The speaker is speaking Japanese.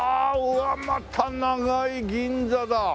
うわまた長い銀座だ。